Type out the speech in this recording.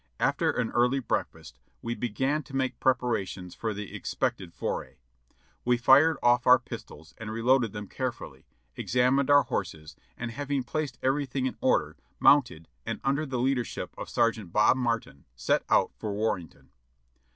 After an early breakfast we began to make preparations for the expected foray. We fired off our pistols and reloaded them carefully, examined our horses, and having placed everything in order, mounted, and under the leadership of Sergeant Bob Martin set out for Warrenton.